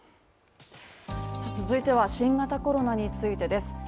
続いては新型コロナについてです。